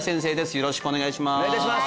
よろしくお願いします